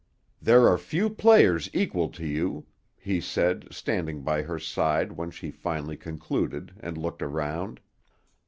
"There are few players equal to you," he said, standing by her side when she finally concluded, and looked around.